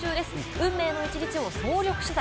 「運命の１日」を総力取材。